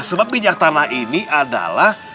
sebab minyak tanah ini adalah